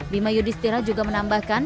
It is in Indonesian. bima yudhistira juga menambahkan